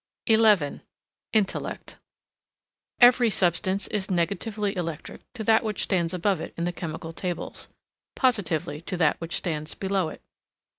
INTELLECT Every substance is negatively electric to that which stands above it in the chemical tables, positively to that which stands below it.